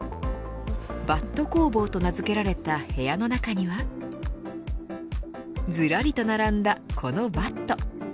バット工房と名付けられた部屋の中にはずらりと並んだこのバット。